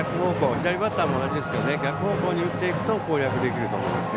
左バッターも同じですけど逆方向に打っていくと攻略できると思いますね。